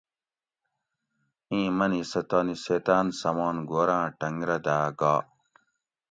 ایں منی سہ تانی سیتہ سمان گوراۤں ٹۤنگ رہ داۤ گا